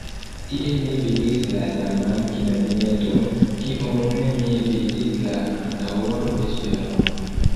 Tie mi vidis la saman knabineton, kiun mi vidis la antaŭan vesperon.